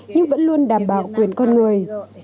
nhưng vẫn luôn đảm bảo quyền con người